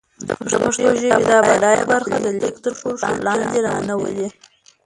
د پښتو ژبې دا بډايه برخه د ليک تر کرښو لاندې را نه ولي.